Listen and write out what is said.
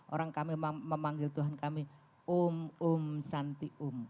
orang kami memanggil tuhan kami um um santi um